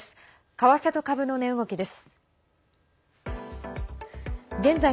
為替と株の値動きです。